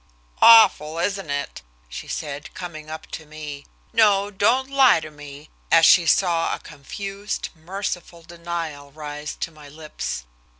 "Awful, isn't it?" she said, coming up to me. "No, don't lie to me," as she saw a confused, merciful denial rise to my lips.